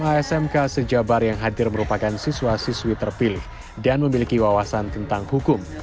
para siswa dan siswi sma smk sejabar yang hadir merupakan siswa siswi terpilih dan memiliki wawasan tentang hukum